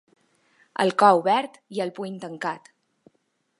El cor obert i el puny tancat!